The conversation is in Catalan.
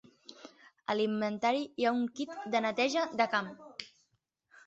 A l'inventari hi ha un kit de neteja de camp.